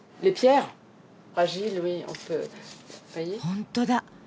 本当だ。